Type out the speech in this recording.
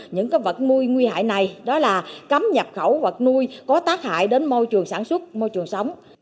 những vật nuôi nguy hại này đó là cấm nhập khẩu vật nuôi có tác hại đến môi trường sản xuất môi trường sống